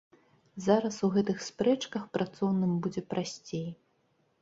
Зараз у гэтых спрэчках працоўным будзе прасцей.